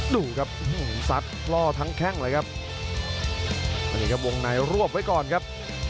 ดูครับสัดล่อทั้งแค่งเลยครับแล้วก็วงไหนรวบไว้ก่อนครับ